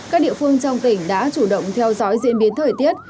các địa phương trong tỉnh đã chủ động theo dõi diễn biến thời tiết